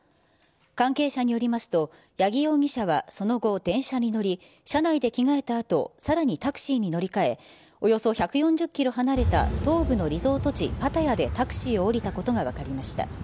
関係者によりますと、八木容疑者はその後、電車に乗り、車内で着替えたあと、さらにタクシーに乗り換え、およそ１４０キロ離れた東部のリゾート地、パタヤでタクシーを降りたことが分かりました。